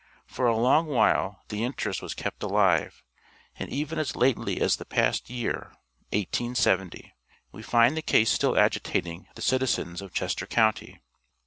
For a long while the interest was kept alive, and even as lately as the past year (1870), we find the case still agitating the citizens of Chester county.